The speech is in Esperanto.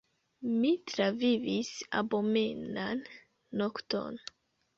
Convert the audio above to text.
Mi travivis abomenan nokton.